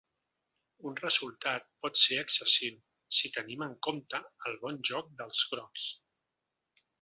Un resultat potser excessiu, si tenim en compte el bon joc dels grocs.